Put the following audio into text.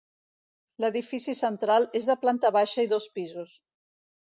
L'edifici central és de planta baixa i dos pisos.